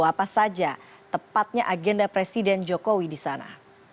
apa saja tepatnya agenda presiden jokowi di sana